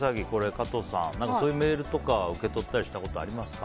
加藤さんはそういうメールとか受け取ったりしたことありますか。